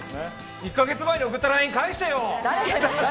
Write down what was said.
１ヶ月前に送ったＬＩＮＥ、返してよ！